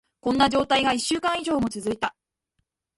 こんな状態が一週間以上も続いた。